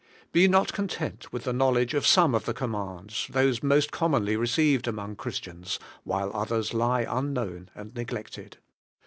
Be not content with the knowl edge of some of the commands, those most commonly received among Christians, while others lie unknown and neglected.